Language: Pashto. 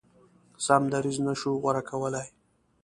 سم دریځ نه شو غوره کولای.